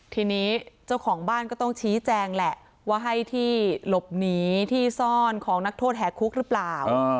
ทีนี้เจ้าของบ้านก็ต้องชี้แจงแหละว่าให้ที่หลบหนีที่ซ่อนของนักโทษแห่คุกหรือเปล่า